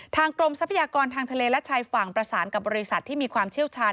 กรมทรัพยากรทางทะเลและชายฝั่งประสานกับบริษัทที่มีความเชี่ยวชาญ